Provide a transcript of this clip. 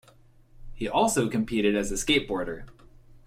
He also competed as a skateboarder.